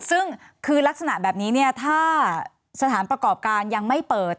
ซึ่งคือลักษณะแบบนี้เนี่ยถ้าสถานประกอบการยังไม่เปิด